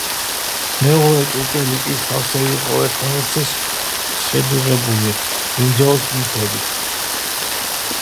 მეორე ჭურჭელი კი სავსე იყო ერთმანეთზე შედუღებული ბრინჯაოს ნივთებით.